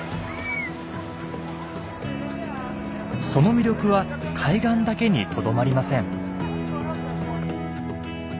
その魅力は海岸だけにとどまりません。